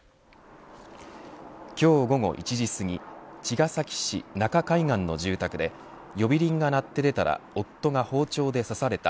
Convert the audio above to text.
今日午後１時すぎ茅ヶ崎市中海岸の住宅で呼び鈴が鳴って出たら夫が包丁で刺された。